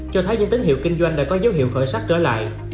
cho thấy những tín hiệu kinh doanh đã có dấu hiệu khởi sắc trở lại